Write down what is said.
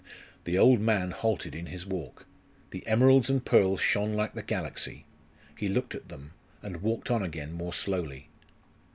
The old man halted in his walk. The emeralds and pearls shone like the galaxy. He looked at them; and walked on again more slowly....